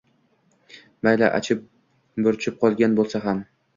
Mayli, achib-burchib qolgan bo‘lsa ham